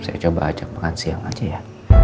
saya coba ajak makan siang aja ya